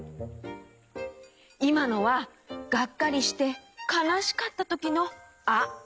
いまのはがっかりしてかなしかったときの「あ」！